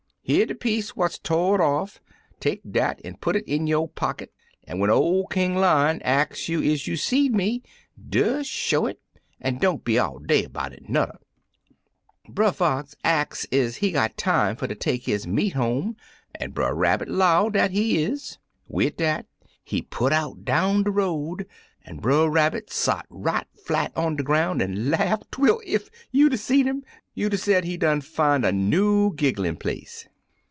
Here de piece what's tor'd off; take dat an' put it in yo' pocket, an' when ol' King Lion ax 92 Two Fat Pullets you is you seed me, des show it — an* don't be all day 'bout it, nudder/ Brer Fox ax is he got time fer ter take his meat home, an' Brer Rabbit 'low dat he is. Wid dat, he put out down de road, an' Brer Rabbit sot right flat on de groun' an' laugh, twel, ef you'd 'a' seed 'im, you'd 'a' said he done fin' a new gigglin' place.